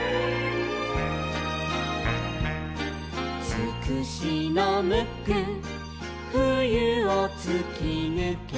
「つくしのムックふゆをつきぬけ」